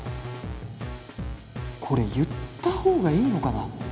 これ言った方がいいのかな？